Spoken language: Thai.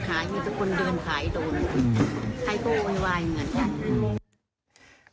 ใครก็อุ่นวายเงิน